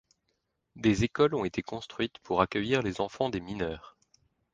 Des écoles ont été construites pour accueillir les enfants des mineurs.